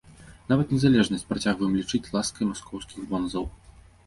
Нават незалежнасць працягваем лічыць ласкай маскоўскіх бонзаў.